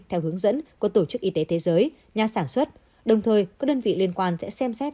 theo hướng dẫn của tổ chức y tế thế giới nhà sản xuất đồng thời các đơn vị liên quan sẽ xem xét